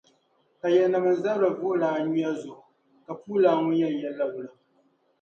Tayiɣinima n-zabiri vuɣilaa nyuya zuɣu ka puulana ŋun’ yɛn yɛl’la wula?